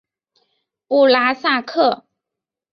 布拉萨克。